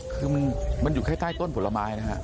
คือมันอยู่ใต้ต้นผลไม้นะครับ